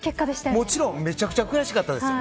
もちろん、めちゃくちゃ悔しかったですよ。